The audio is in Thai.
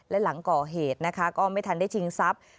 และหลังก่อเหตุนะคะก็ไม่ทันได้ชิงทรัพย์